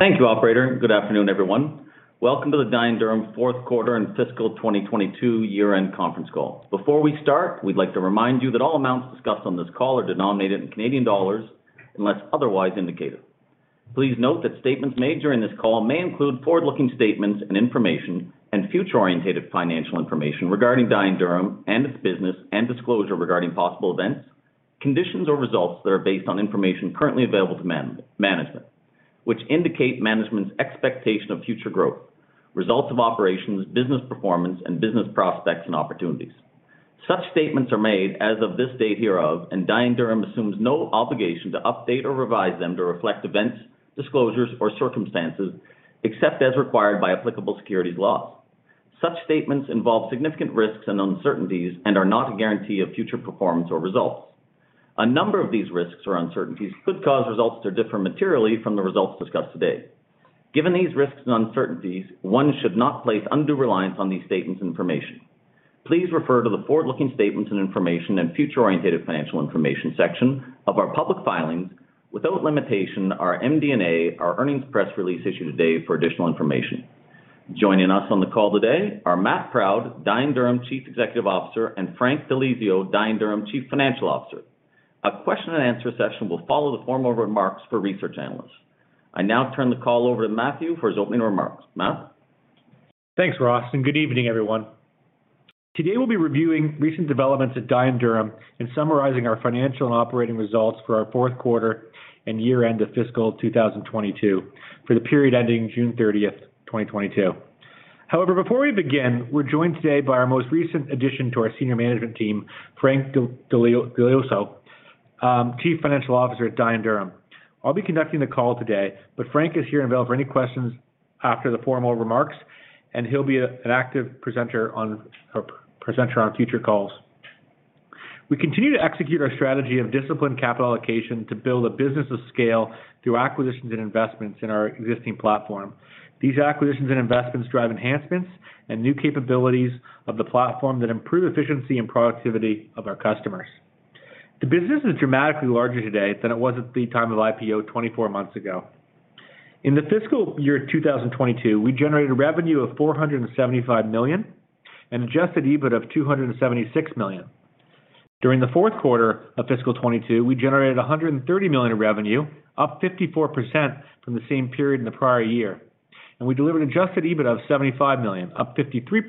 Thank you, operator. Good afternoon, everyone. Welcome to the Dye & Durham Q4 and Fiscal 2022 Year-end Conference Call. Before we start, we'd like to remind you that all amounts discussed on this call are denominated in Canadian dollars unless otherwise indicated. Please note that statements made during this call may include forward-looking statements and information and future-oriented financial information regarding Dye & Durham and its business and disclosure regarding possible events, conditions or results that are based on information currently available to management, which indicate management's expectation of future growth, results of operations, business performance, and business prospects and opportunities. Such statements are made as of this date hereof, and Dye & Durham assumes no obligation to update or revise them to reflect events, disclosures, or circumstances, except as required by applicable securities laws. Such statements involve significant risks and uncertainties and are not a guarantee of future performance or results. A number of these risks or uncertainties could cause results to differ materially from the results discussed today. Given these risks and uncertainties, one should not place undue reliance on these statements information. Please refer to the forward-looking statements and information and future-oriented financial information section of our public filings without limitation, our MD&A, our earnings press release issued today for additional information. Joining us on the call today are Matt Proud, Dye & Durham Chief Executive Officer, and Frank Di Liso, Dye & Durham Chief Financial Officer. A question and answer session will follow the formal remarks for research analysts. I now turn the call over to Matt for his opening remarks. Matt? Thanks, Ross, and good evening, everyone. Today we'll be reviewing recent developments at Dye & Durham and summarizing our financial and operating results for our Q4 and year-end of fiscal 2022 for the period ending June 30, 2022. However, before we begin, we're joined today by our most recent addition to our senior management team, Frank Di Liso, Chief Financial Officer at Dye & Durham. I'll be conducting the call today, but Frank is here available for any questions after the formal remarks, and he'll be an active presenter on future calls. We continue to execute our strategy of disciplined capital allocation to build a business of scale through acquisitions and investments in our existing platform. These acquisitions and investments drive enhancements and new capabilities of the platform that improve efficiency and productivity of our customers. The business is dramatically larger today than it was at the time of IPO 24 months ago. In the fiscal year 2022, we generated revenue of 475 million and adjusted EBITDA of 276 million. During the Q4 of fiscal 2022, we generated 130 million in revenue, up 54% from the same period in the prior year, and we delivered adjusted EBITDA of 75 million, up 53%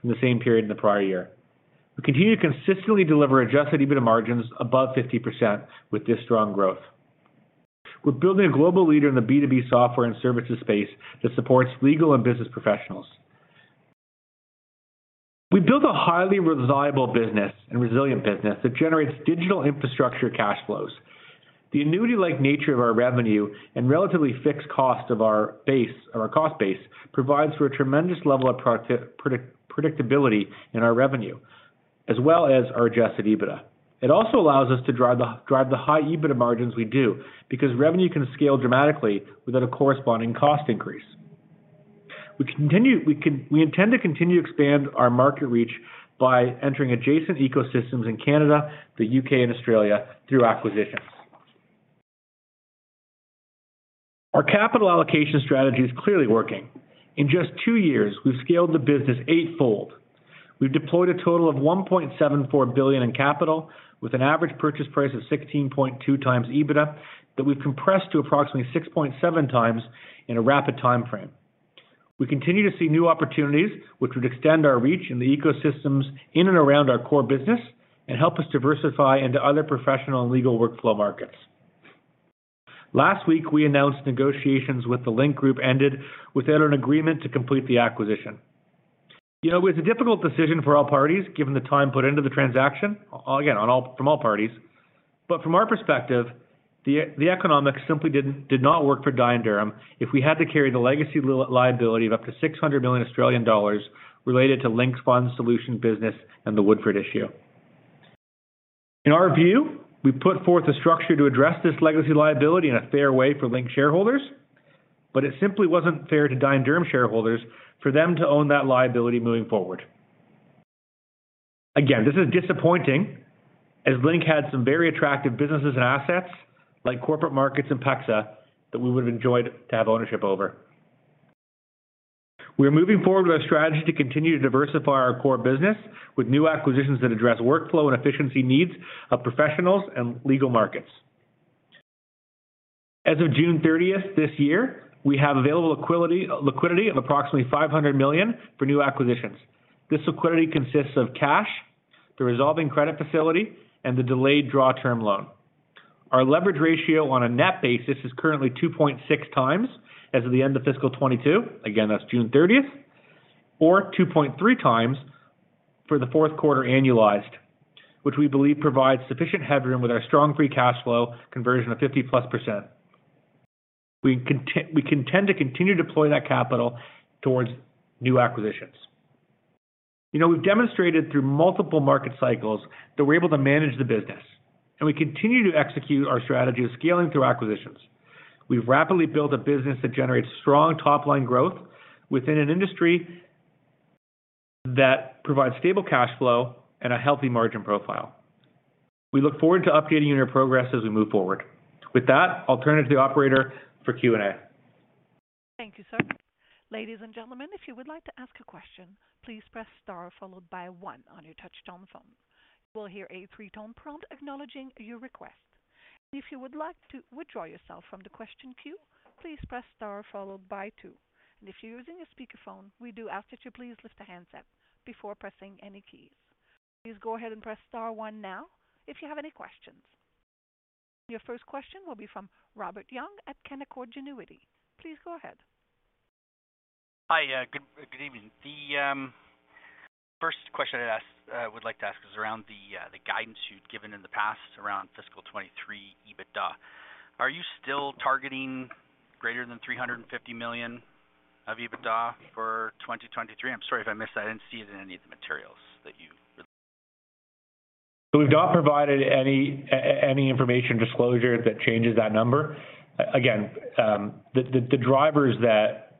from the same period in the prior year. We continue to consistently deliver adjusted EBITDA margins above 50% with this strong growth. We're building a global leader in the B2B software and services space that supports legal and business professionals. We build a highly reliable business and resilient business that generates digital infrastructure cash flows. The annuity-like nature of our revenue and relatively fixed cost of our cost base provides for a tremendous level of predictability in our revenue, as well as our adjusted EBITDA. It also allows us to drive the high EBITDA margins we do because revenue can scale dramatically without a corresponding cost increase. We intend to continue to expand our market reach by entering adjacent ecosystems in Canada, the UK, and Australia through acquisitions. Our capital allocation strategy is clearly working. In just two years, we've scaled the business eightfold. We've deployed a total of 1.74 billion in capital with an average purchase price of 16.2x EBITDA that we've compressed to approximately 6.7x in a rapid timeframe. We continue to see new opportunities which would extend our reach in the ecosystems in and around our core business and help us diversify into other professional and legal workflow markets. Last week, we announced negotiations with the Link Group ended without an agreement to complete the acquisition. You know, it was a difficult decision for all parties, given the time put into the transaction, again, from all parties. From our perspective, the economics simply did not work for Dye & Durham if we had to carry the legacy liability of up to 600 million Australian dollars related to Link's fund solution business and the Woodford issue. In our view, we put forth a structure to address this legacy liability in a fair way for Link shareholders, but it simply wasn't fair to Dye & Durham shareholders for them to own that liability moving forward. Again, this is disappointing as Link had some very attractive businesses and assets like Corporate Markets and PEXA that we would have enjoyed to have ownership over. We're moving forward with our strategy to continue to diversify our core business with new acquisitions that address workflow and efficiency needs of professionals and legal markets. As of June 30 this year, we have available liquidity of approximately 500 million for new acquisitions. This liquidity consists of cash, the revolving credit facility, and the delayed draw term loan. Our leverage ratio on a net basis is currently 2.6x as of the end of fiscal 2022. Again, that's June 30 or 2.3x for the Q4 annualized, which we believe provides sufficient headroom with our strong free cash flow conversion of 50%+. We can tend to continue to deploy that capital towards new acquisitions. You know, we've demonstrated through multiple market cycles that we're able to manage the business, and we continue to execute our strategy of scaling through acquisitions. We've rapidly built a business that generates strong top-line growth within an industry that provide stable cash flow and a healthy margin profile. We look forward to updating you on our progress as we move forward. With that, I'll turn it to the operator for Q&A. Thank you, sir. Ladies and gentlemen, if you would like to ask a question, please press star followed by one on your touchtone phone. You will hear a three-tone prompt acknowledging your request. If you would like to withdraw yourself from the question queue, please press star followed by two. If you're using a speakerphone, we do ask that you please lift the handset before pressing any keys. Please go ahead and press star one now if you have any questions. Your first question will be from Robert Young at Canaccord Genuity. Please go ahead. Hi. Good evening. The first question I would like to ask is around the guidance you'd given in the past around fiscal 2023 EBITDA. Are you still targeting greater than 350 million of EBITDA for 2023? I'm sorry if I missed that. I didn't see it in any of the materials that you released. We've not provided any information disclosure that changes that number. Again, the drivers that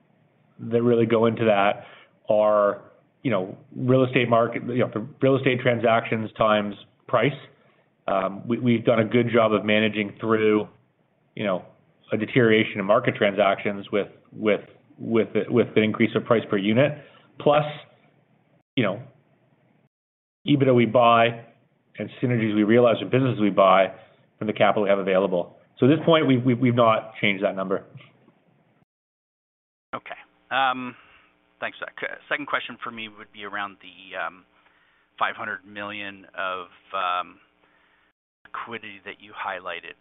really go into that are, you know, real estate market, you know, real estate transactions times price. We've done a good job of managing through, you know, a deterioration in market transactions with an increase of price per unit, plus, you know, EBITDA we buy and synergies we realize from businesses we buy from the capital we have available. At this point, we've not changed that number. Okay. Thanks for that. Second question for me would be around the 500 million of liquidity that you highlighted.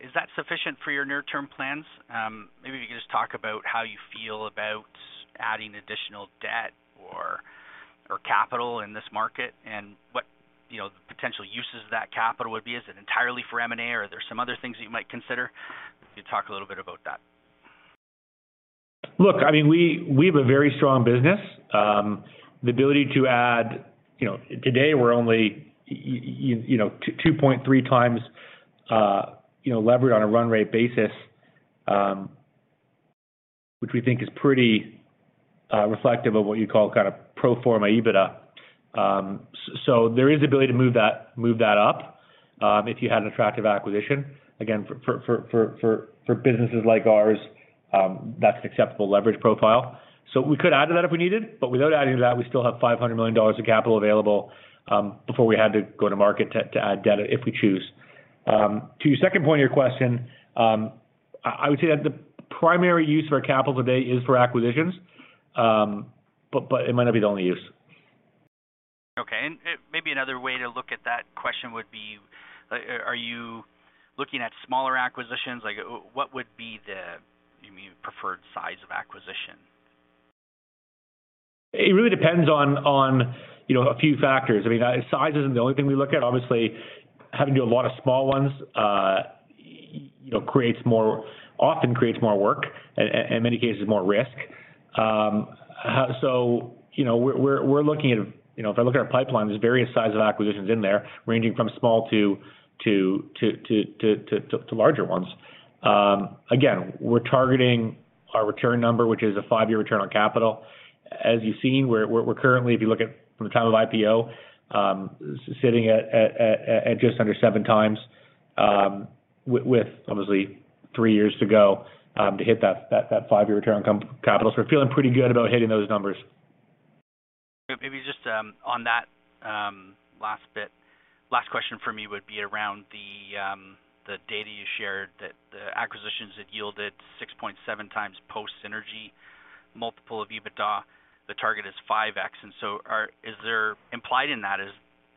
Is that sufficient for your near-term plans? Maybe if you could just talk about how you feel about adding additional debt or capital in this market and what, you know, the potential uses of that capital would be. Is it entirely for M&A, or are there some other things that you might consider? If you could talk a little bit about that. Look, I mean, we have a very strong business. The ability to add, you know, today we're only 2.3x, you know, levered on a run rate basis, which we think is pretty reflective of what you'd call kind of pro forma EBITDA. There is ability to move that up, if you had an attractive acquisition. Again, for businesses like ours, that's an acceptable leverage profile. We could add to that if we needed, but without adding to that, we still have 500 million dollars of capital available, before we had to go to market to add debt if we choose. To your second point of your question, I would say that the primary use for our capital today is for acquisitions. It might not be the only use. Okay. Maybe another way to look at that question would be, are you looking at smaller acquisitions? Like what would be the, maybe preferred size of acquisition? It really depends on you know, a few factors. I mean, size isn't the only thing we look at. Obviously, having to do a lot of small ones you know, often creates more work, and many cases more risk. You know, we're looking at you know, if I look at our pipeline, there's various size of acquisitions in there ranging from small to larger ones. Again, we're targeting our return number, which is a five-year return on capital. As you've seen, we're currently, if you look at from the time of IPO, sitting at just under seven times, with obviously three years to go, to hit that five-year return on capital. We're feeling pretty good about hitting those numbers. Maybe just on that last bit. Last question for me would be around the data you shared that the acquisitions that yielded 6.7x post synergy multiple of EBITDA, the target is 5x. Is there implied in that,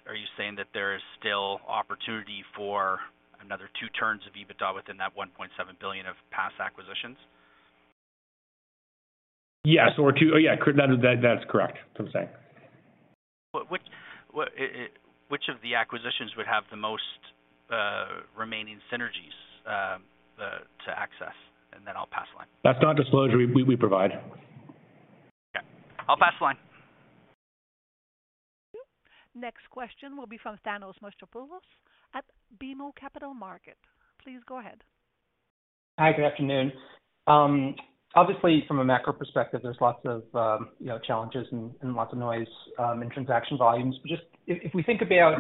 are you saying that there is still opportunity for another two turns of EBITDA within that 1.7 billion of past acquisitions? Yes. That's correct what I'm saying. Which of the acquisitions would have the most remaining synergies to access? Then I'll pass the line. That's not disclosure we provide. Okay. I'll pass the line. Thank you. Next question will be from Thanos Moschopoulos at BMO Capital Markets. Please go ahead. Hi. Good afternoon. Obviously from a macro perspective, there's lots of, you know, challenges and lots of noise in transaction volumes. Just if we think about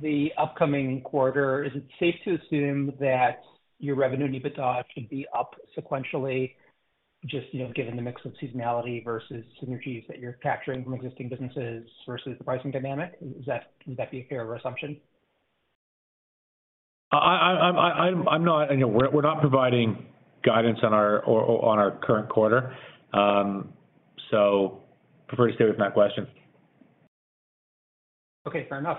the upcoming quarter, is it safe to assume that your revenue and EBITDA should be up sequentially, you know, given the mix of seasonality versus synergies that you're capturing from existing businesses versus the pricing dynamic? Would that be a fair assumption? I'm not. You know, we're not providing guidance on our current quarter. Prefer to stay with that question. Okay. Fair enough.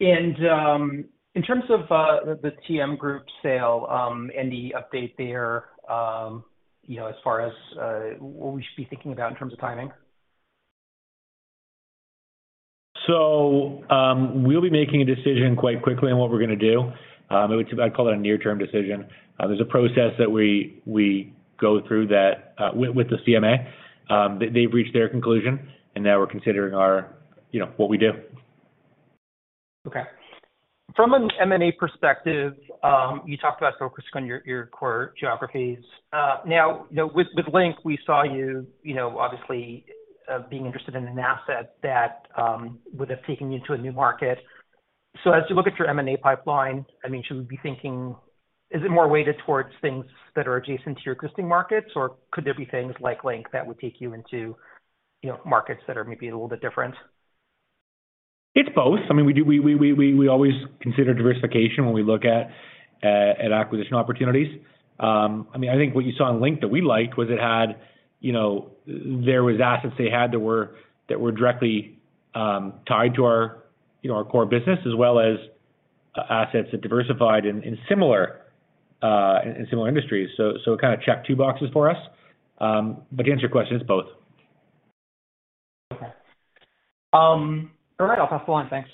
In terms of the TM Group sale, any update there, you know, as far as what we should be thinking about in terms of timing? We'll be making a decision quite quickly on what we're gonna do. I would say I'd call it a near-term decision. There's a process that we go through that with the CMA. They've reached their conclusion, and now we're considering, you know, what we do. Okay. From an M&A perspective, you talked about focusing on your core geographies. Now, you know, with Link, we saw you know, obviously, being interested in an asset that would have taken you into a new market. As you look at your M&A pipeline, I mean, should we be thinking, is it more weighted towards things that are adjacent to your existing markets? Or could there be things like Link that would take you into, you know, markets that are maybe a little bit different? It's both. I mean, we always consider diversification when we look at acquisition opportunities. I mean, I think what you saw in Link that we liked was it had, you know, there was assets they had that were directly tied to our, you know, our core business, as well as assets that diversified in similar industries. It kind of checked two boxes for us, but to answer your question, it's both. Okay. All right. I'll pass the line. Thanks.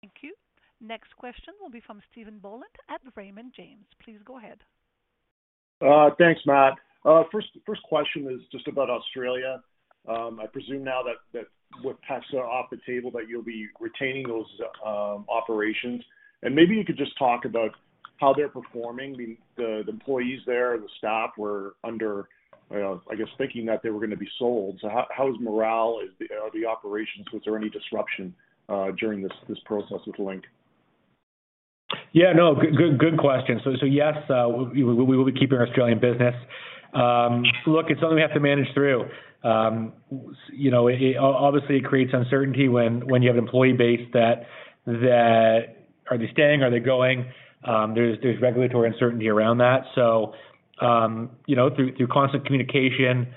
Thank you. Next question will be from Stephen Boland at Raymond James. Please go ahead. Thanks, Matt. First question is just about Australia. I presume now that with PEXA off the table, that you'll be retaining those operations. Maybe you could just talk about how they're performing. The employees there, the staff were under, I guess, thinking that they were gonna be sold. How is morale? Are the operations? Was there any disruption during this process with Link? Yeah, no. Good question. Yes, we will be keeping our Australian business. Look, it's something we have to manage through. You know, it obviously creates uncertainty when you have an employee base, are they staying? Are they going? There's regulatory uncertainty around that. You know, through constant communication,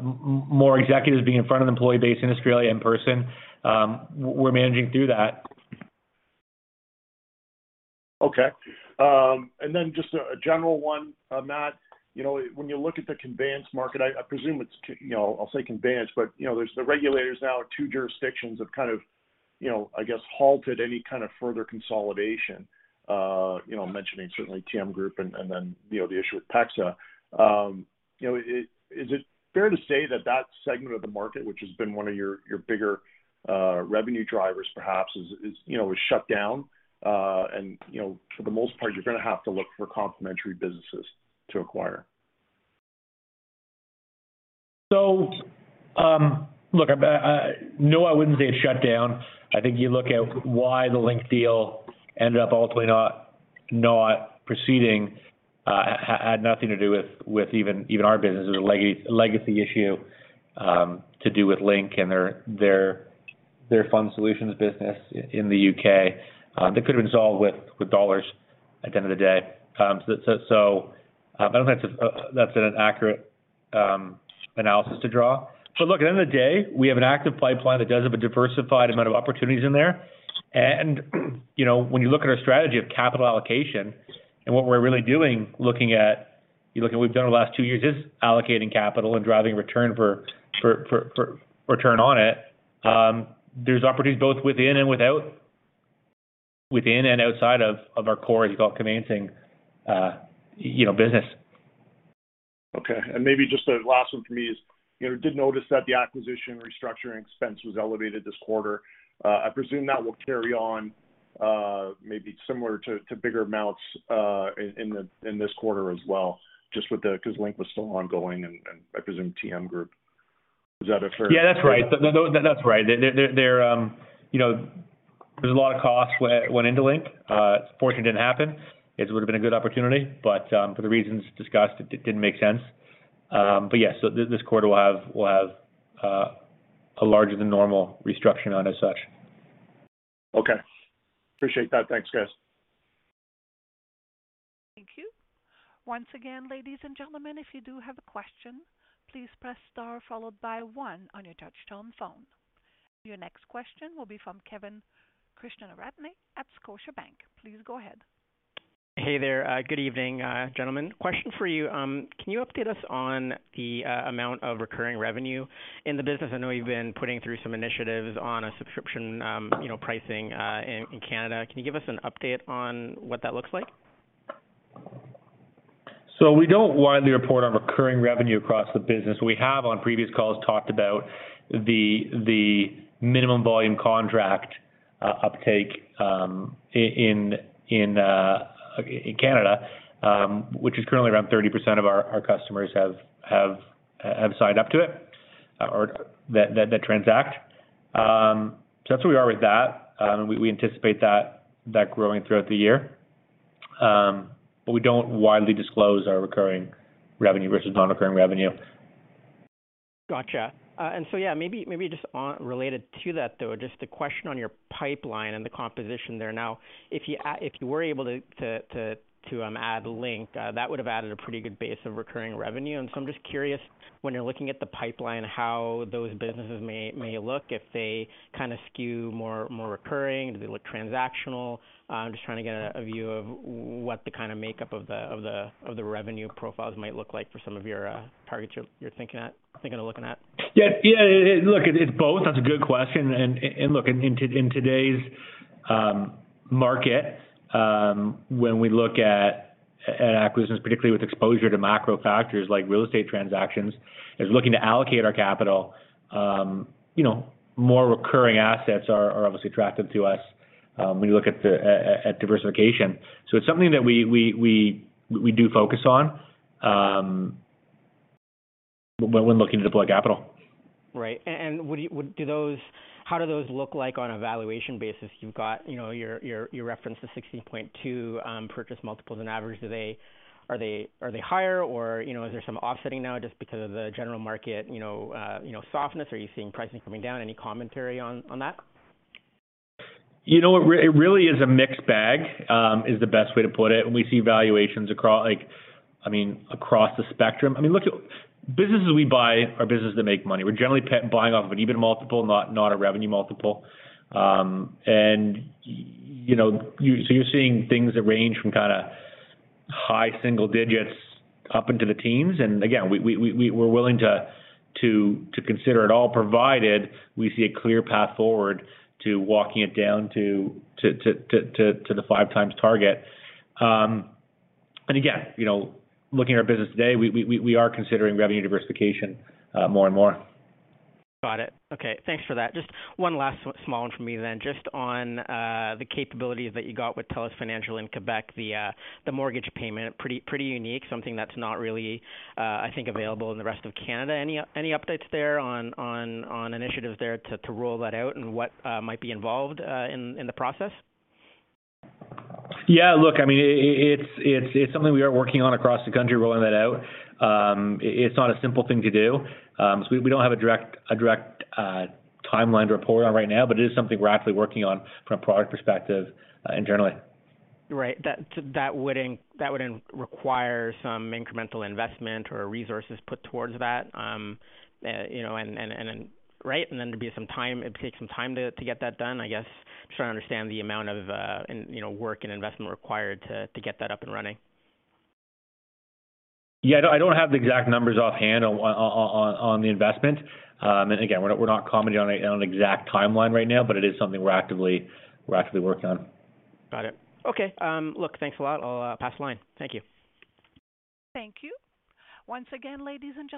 more executives being in front of the employee base in Australia in person, we're managing through that. Okay. Just a general one, Matt. You know, when you look at the conveyance market, I presume it's, you know, I'll say conveyance, but, you know, there's the regulators now at two jurisdictions have kind of, you know, I guess, halted any kind of further consolidation. You know, mentioning certainly TM Group and then, you know, the issue with PEXA. You know, is it fair to say that that segment of the market, which has been one of your bigger revenue drivers perhaps is shut down? For the most part, you're gonna have to look for complementary businesses to acquire. No, I wouldn't say it's shut down. I think you look at why the Link deal ended up ultimately not proceeding. It had nothing to do with even our business. It was a legacy issue to do with Link and their fund solutions business in the UK that could have been solved with dollars at the end of the day. I don't know if that's an accurate analysis to draw. Look, at the end of the day, we have an active pipeline that does have a diversified amount of opportunities in there. You know, when you look at our strategy of capital allocation and what we're really doing, we've done over the last two years is allocating capital and driving return for return on it. There's opportunities both within and without, within and outside of our core, as you call it, conveyancing, you know, business. Okay. Maybe just a last one for me is, you know, I did notice that the acquisition restructuring expense was elevated this quarter. I presume that will carry on, maybe similar to bigger amounts in this quarter as well, just with the, cause Link was still ongoing and I presume TM Group. Is that a fair? Yeah, that's right. There, you know, there's a lot of costs went into Link. It's fortunate it didn't happen. Guess it would've been a good opportunity, but for the reasons discussed, it didn't make sense. Yeah, this quarter we'll have a larger than normal restructuring and as such. Okay. Appreciate that. Thanks, guys. Thank you. Once again, ladies and gentlemen, if you do have a question, please press star followed by one on your touch tone phone. Your next question will be from Kevin Krishnaratne at Scotiabank. Please go ahead. Hey there. Good evening, gentlemen. Question for you. Can you update us on the amount of recurring revenue in the business? I know you've been putting through some initiatives on a subscription, you know, pricing, in Canada. Can you give us an update on what that looks like? We don't widely report on recurring revenue across the business. We have on previous calls talked about the minimum volume contract uptake in Canada, which is currently around 30% of our customers have signed up to it or that transact. That's where we are with that. We anticipate that growing throughout the year. We don't widely disclose our recurring revenue versus non-recurring revenue. Gotcha. Yeah, maybe just on related to that, though, just a question on your pipeline and the composition there. Now, if you were able to add Link, that would have added a pretty good base of recurring revenue. I'm just curious, when you're looking at the pipeline, how those businesses may look if they kinda skew more recurring? Do they look transactional? I'm just trying to get a view of what the kinda makeup of the revenue profiles might look like for some of your targets you're thinking of looking at. Yeah. Look, it's both. That's a good question. Look, in today's market, when we look at acquisitions, particularly with exposure to macro factors like real estate transactions, is looking to allocate our capital. You know, more recurring assets are obviously attractive to us, when you look at the diversification. It's something that we do focus on, when looking to deploy capital. Right. How do those look like on a valuation basis? You've got, you know, your reference to 16.2x purchase multiples on average. Are they higher or, you know, is there some offsetting now just because of the general market, you know, softness? Are you seeing pricing coming down? Any commentary on that? You know, it really is a mixed bag, is the best way to put it. We see valuations across like, I mean, across the spectrum. I mean, look at businesses we buy are businesses that make money. We're generally buying off of an EBITDA multiple, not a revenue multiple. You know, you're seeing things that range from kinda high single digits up into the teens. Again, we're willing to consider it all provided we see a clear path forward to walking it down to the 5x target. You know, looking at our business today, we are considering revenue diversification more and more. Got it. Okay, thanks for that. Just one last small one from me then. Just on the capabilities that you got with TELUS Financial in Québec, the mortgage payment, pretty unique, something that's not really, I think available in the rest of Canada. Any updates there on initiatives there to roll that out and what might be involved in the process? Yeah, look, I mean, it's something we are working on across the country, rolling that out. It's not a simple thing to do. We don't have a direct timeline to report on right now, but it is something we're actively working on from a product perspective and generally. Right. That, so that would require some incremental investment or resources put towards that, you know, and then. Right? There'd be some time. It takes some time to get that done. I guess just trying to understand the amount of, you know, work and investment required to get that up and running. Yeah, I don't have the exact numbers offhand on the investment. Again, we're not commenting on exact timeline right now, but it is something we're actively working on. Got it. Okay, look, thanks a lot. I'll pass the line. Thank you. Thank you. Once again, ladies and gentlemen.